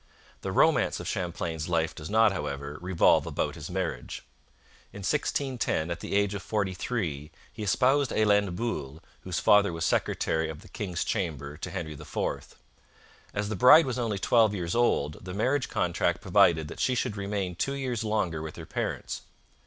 The romance of Champlain's life does not, however, revolve about his marriage. In 1610, at the age of forty three, he espoused Helene Boulle, whose father was secretary of the King's Chamber to Henry IV. As the bride was only twelve years old, the marriage contract provided that she should remain two years longer with her parents.